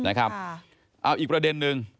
อีกประเด็นหนึ่ง